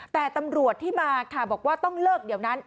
แต่ตำรวจที่มาค่ะบอกว่าต้องเลิกเดี๋ยวนั้น